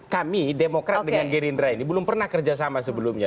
kami demokrat dengan gerindra ini belum pernah kerjasama sebelumnya